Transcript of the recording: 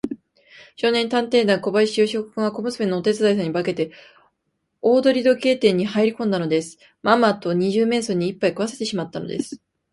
少年探偵団長小林芳雄君は、小娘のお手伝いさんに化けて、大鳥時計店にはいりこんでいたのです。まんまと二十面相にいっぱい食わせてしまったのです。